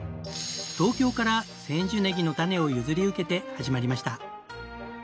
東京から千住ネギの種を譲り受けて始まりました。